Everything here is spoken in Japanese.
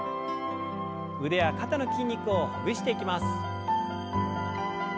腕や肩の筋肉をほぐしていきます。